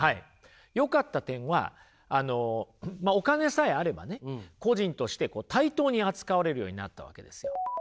よかった点はまあお金さえあればね個人として対等に扱われるようになったわけですよ。